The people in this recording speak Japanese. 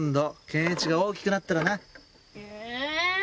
健一が大きくなったらな。え？